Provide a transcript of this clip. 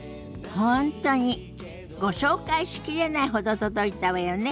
本当にご紹介しきれないほど届いたわよね。